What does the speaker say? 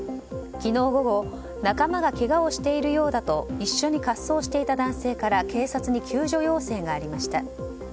昨日午後仲間がけがをしているようだと一緒に滑走していた男性から警察に救助要請がありました。